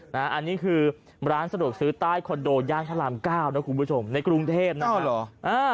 นะอันนี้คือร้านสะดวกซื้อใต้คอนโดย่านพระอาหารเก่าคุณผู้ชมในกรุงเทพฯนะฮะ